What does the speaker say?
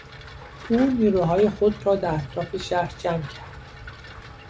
او نیروهای خود را در اطراف شهر جمع کرد.